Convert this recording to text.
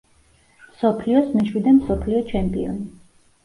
მსოფლიოს მეშვიდე მსოფლიო ჩემპიონი.